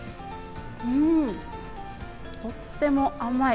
うん、とっても甘い。